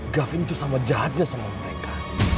gafin tuh sama jahatnya sama mereka